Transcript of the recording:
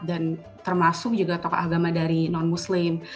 dan termasuk juga tokoh agama dari non muslim